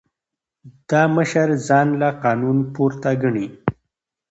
دا مشر ځان له قانون پورته ګڼي.